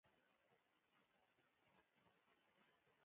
په افغانستان کې چار مغز ډېر زیات اهمیت او ارزښت لري.